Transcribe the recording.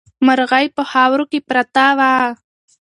مرغۍ په خاورو کې پرته وه.